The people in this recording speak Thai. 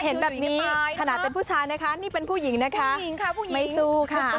เห็นแบบนี้ขนาดเป็นผู้ชายนะคะนี่เป็นผู้หญิงนะคะไม่สู้ค่ะ